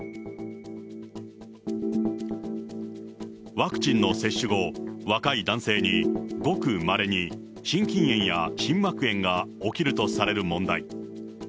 ワクチンの接種後、若い男性に、ごくまれに心筋炎や心膜炎が起きるとされる問題。